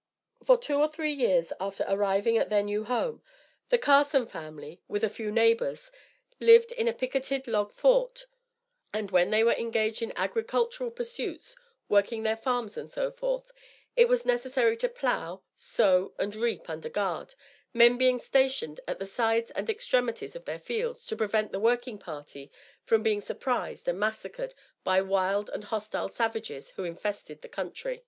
For two or three years after arriving at their new home, the Carson family, with a few neighbors, lived in a picketed log fort; and when they were engaged in agricultural pursuits, working their farms, and so forth, it was necessary to plough, sow and reap under guard, men being stationed at the sides and extremities of their fields to prevent the working party from being surprised and massacred by wild and hostile savages who infested the country.